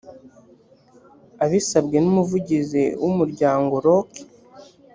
abisabwe n umuvugizi w umuryango rock